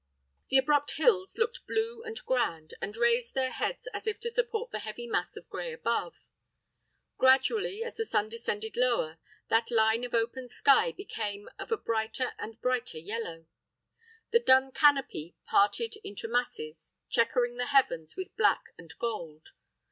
The abrupt hills looked blue and grand, and raised their heads as if to support the heavy mass of gray above. Gradually, as the sun descended lower, that line of open sky became of a brighter and a brighter yellow. The dun canopy parted into masses, checkering the heavens with black and gold.